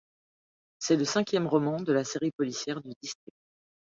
C’est le cinquième roman de la série policière du District.